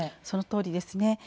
そのとおりです。